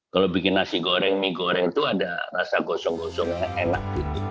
kalau bikin nasi goreng mie goreng itu ada rasa gosong gosongnya enak